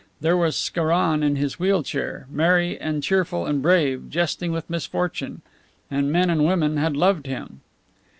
There was Scarron in his wheel chair merry and cheerful and brave, jesting with misfortune; and men and women had loved him.